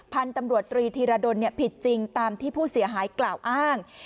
พันธุ์ตำรวจตรีธีรดลผิดจริงตามที่ผู้เสียหายกล่าวอ้าง